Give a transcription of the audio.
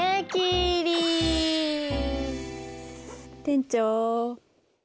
店長。